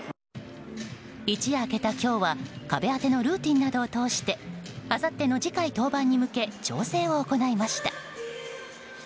一夜明けた今日は壁当てのルーティンなどを通してあさっての次回登板に向け調整を行いました。